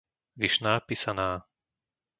Vyšná Pisaná